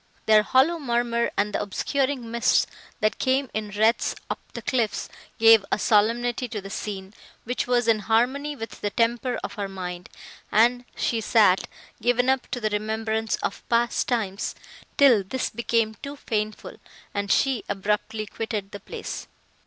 Their hollow murmur and the obscuring mists, that came in wreaths up the cliffs, gave a solemnity to the scene, which was in harmony with the temper of her mind, and she sat, given up to the remembrance of past times, till this became too painful, and she abruptly quitted the place.